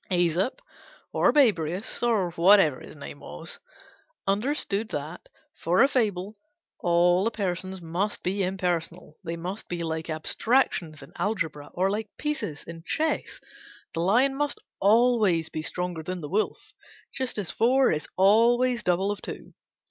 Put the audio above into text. Æsop, or Babrius (or whatever his name was), understood that, for a fable, all the persons must be impersonal. They must be like abstractions in algebra, or like pieces in chess. The lion must always be stronger than the wolf, just as four is always double of two.